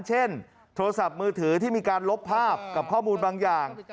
โทรศัพท์มือถือที่มีการลบภาพกับข้อมูลบางอย่าง